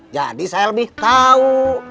jadi saya lebih tau